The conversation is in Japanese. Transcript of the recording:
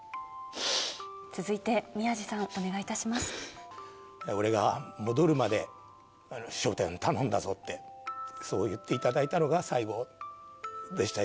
続いて、宮治さん、俺が戻るまで笑点頼んだぞって、そう言っていただいたのが最後でした。